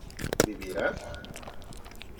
¿ de veras?